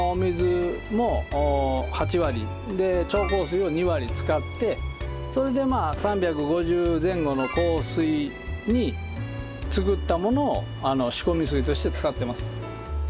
それを６７の使ってそれで３５０前後の硬水に作ったものを仕込み水として使ってます。